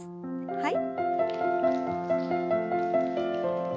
はい。